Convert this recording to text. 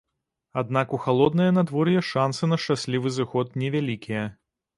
Аднак у халоднае надвор'е шансы на шчаслівы зыход невялікія.